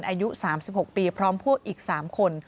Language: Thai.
อายุ๓๖ปีพร้อมพวกอีก๓คน